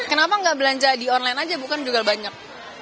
emang enggak belanja di online aja bukan juga banyak